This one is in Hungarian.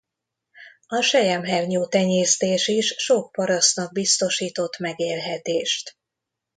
A selyemhernyó-tenyésztés is sok parasztnak biztosított megélhetést.